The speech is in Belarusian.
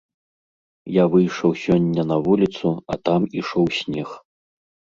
Я выйшаў сёння на вуліцу, а там ішоў снег.